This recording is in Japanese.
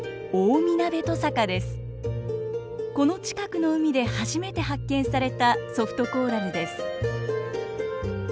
この近くの海で初めて発見されたソフトコーラルです。